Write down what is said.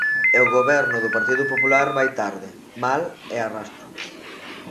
E o Goberno do Partido Popular vai tarde, mal e a rastro.